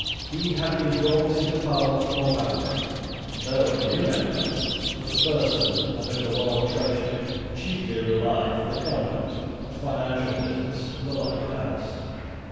He had been brought into Parliament for Banbury, and though a new member, was the person on whom the Lord Treasurer chiefly relied for the conduct of financial business in the Lower House.